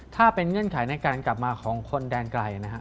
ถ้าเป็นเงื่อนไขในการกลับมาของคนแดนไกลนะฮะ